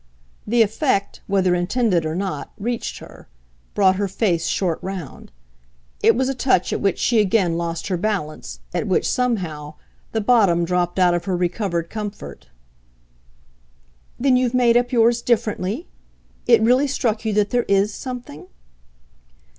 The effect, whether intended or not, reached her brought her face short round. It was a touch at which she again lost her balance, at which, somehow, the bottom dropped out of her recovered comfort. "Then you've made up yours differently? It really struck you that there IS something?"